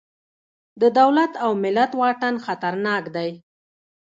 د دولت او ملت واټن خطرناک دی.